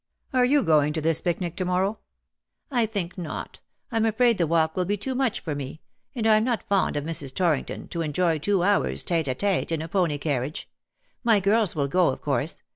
" Are you going to this picnic to morrow V" ^' I think not. Fm afraid the walk would be too much for me — and I am not fond enough of Mrs. Torrington to enjoy two hours^ tete a tete in a pony carriage. My girls will go, of course.